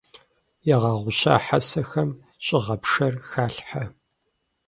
Ягъэгъуща хьэсэхэм щӀыгъэпшэр халъхьэ.